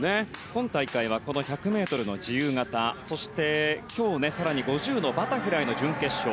今大会は１００ｍの自由形そして今日５０のバタフライの準決勝